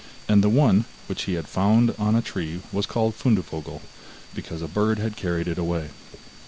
And the one, which he had found on a tree was called Fundevogel, because a bird had carried it away.